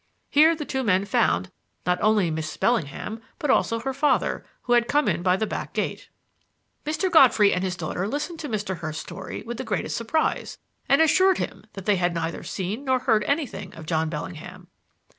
Here the two men found, not only Miss Bellingham, but also her father, who had come in by the back gate. "Mr. Godfrey and his daughter listened to Mr. Hurst's story with the greatest surprise, and assured him that they had neither seen nor heard anything of John Bellingham.